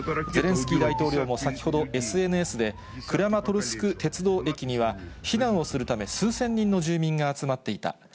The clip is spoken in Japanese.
ゼレンスキー大統領も先ほどＳＮＳで、クラマトルスク鉄道駅には、避難をするため、数千人の住民が集まっていた。